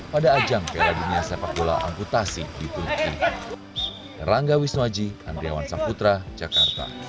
pada ajang peradunia sepak bola amputasi di turki